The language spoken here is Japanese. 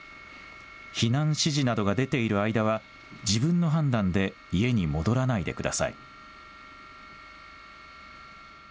避難指示などが出ている間は自分の判断で家に戻らないでください。